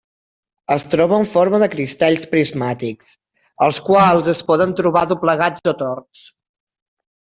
Es troba en forma de cristalls prismàtics, els quals es poden trobar doblegats o torts.